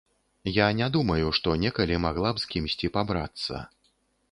Я не думаю, што некалі магла б з кімсьці пабрацца.